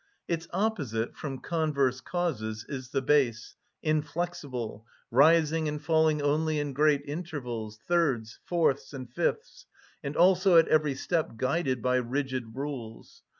Its opposite, from converse causes, is the bass, inflexible, rising and falling only in great intervals, thirds, fourths, and fifths, and also at every step guided by rigid rules.